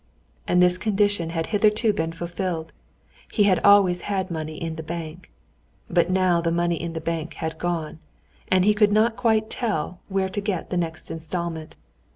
And this condition had hitherto been fulfilled; he had always had the money in the bank. But now the money in the bank had gone, and he could not quite tell where to get the next installment.